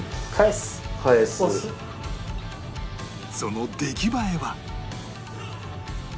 その出来栄えは